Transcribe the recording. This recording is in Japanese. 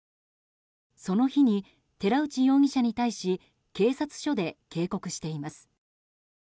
その日に、寺内容疑者に対し警察署で警告しています。